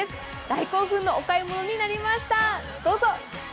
大興奮のお買い物になりました、どうぞ。